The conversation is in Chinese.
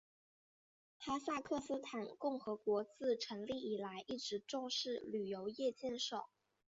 哈萨克斯坦共和国自成立以来一直重视旅游业建设。